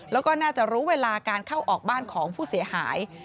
แล้วก็น่าจะรู้เวลาการเข้าออกบ้านของผู้เสียหาย